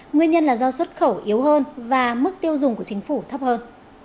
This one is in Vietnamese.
nguyên nhân là do xuất khẩu yếu hơn và mức tiêu dùng của chính phủ thấp hơn